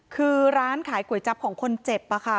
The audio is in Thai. คือร้านขายก๋วยจับของคนเจ็บค่ะ